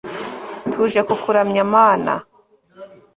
tuje kukuramya mana